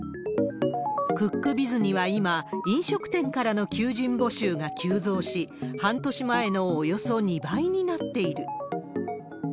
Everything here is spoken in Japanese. クックビズには今、飲食店からの求人募集が急増し、半年前のおよそ２倍になっている。